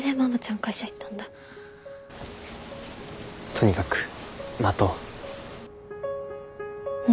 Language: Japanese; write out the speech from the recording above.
とにかく待とう。